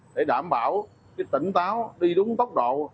để đảm bảo tỉnh táo đi đúng tốc độ